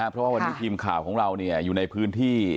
เพราะว่าวันนี้ทีมข่าวของเราอยู่ในพื้นที่